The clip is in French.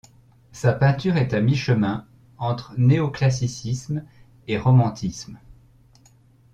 Sa peinture est à mi-chemin entre néoclassicisme et romantisme.